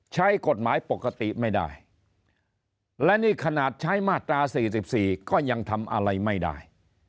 ใช้กฎหมายปกติไม่ได้และนี่ขนาดใช้มาตรา๔๔ก็ยังทำอะไรไม่ได้